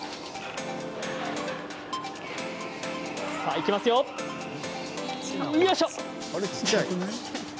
いきますよ、よいしょ。